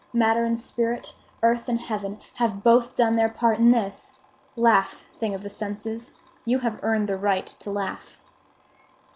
Matter and spirit—earth and heaven—have both done their part in this! Laugh, thing of the senses! You have earned the right to laugh."